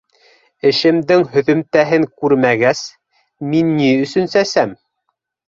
Эшемдең һөҙөмтәһен күрмәгәс, мин ни өсөн сәсәм?!